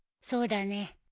そうだね。